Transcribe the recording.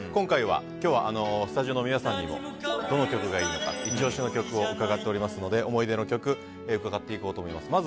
今日はスタジオの皆さんにもどの曲がいいのかイチ押しの曲を伺っていますので思い出の曲伺っていこうと思います。